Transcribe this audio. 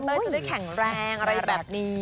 จะได้แข็งแรงอะไรแบบนี้